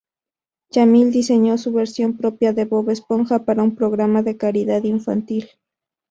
Jamil diseñó su versión propia de Bob Esponja, para un programa de caridad infantil.